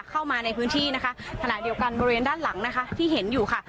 เข้ามาในพื้นที่นะคะขณะเดียวกันบริเวณด้านหลังนะคะที่เห็นอยู่ค่ะ